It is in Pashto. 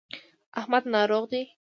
احمد ناروغ دی.